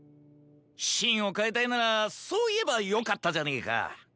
シーンをかえたいならそういえばよかったじゃねえか。